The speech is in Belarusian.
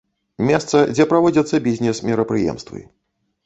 Месца, дзе праводзяцца бізнес-мерапрыемствы.